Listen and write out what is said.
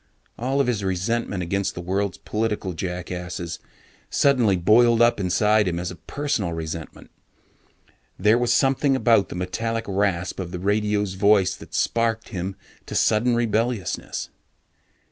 All of his resentment against the world's political jackasses suddenly boiled up inside him as a personal resentment. There was something about the metallic rasp of the radio's voice that sparked him to sudden rebelliousness.